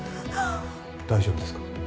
大丈夫ですか？